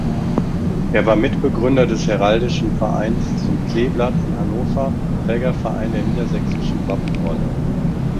Er war Mitbegründer des Heraldischen Vereins „Zum Kleeblatt“ in Hannover, Trägerverein der Niedersächsischen Wappenrolle.